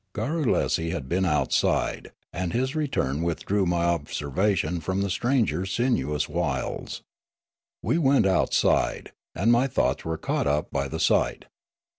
Garrulesi had been outside, and his return withdrew my observation from the stranger's sinuous wiles. We went outside, and my thoughts were caught up b}^ the sight.